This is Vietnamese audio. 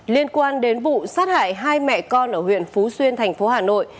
liên quan đến vụ sát hại hai mẹ con ở huyện phú xuyên tp hà nội